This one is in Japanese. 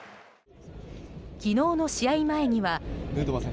昨日の試合前には。